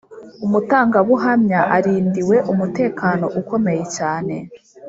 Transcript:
umutangabuhamya arindiwe umutekano ukomeye cyane